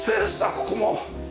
ここも。